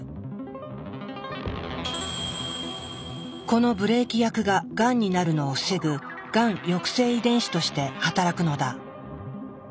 このブレーキ役ががんになるのを防ぐがん抑制遺伝子として働くのだ。